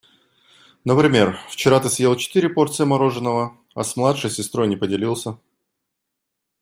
Например, вчера ты съел четыре порции мороженого, а с младшей сестрой не поделился.